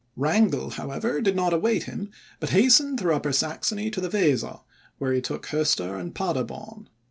Wrangel, however, did not await him, but hastened through Upper Saxony to the Weser, where he took Hoester and Paderborn.